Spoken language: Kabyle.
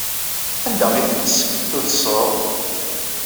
Anda ay ten-tesseftutseḍ?